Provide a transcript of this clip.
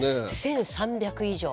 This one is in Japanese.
１，３００以上。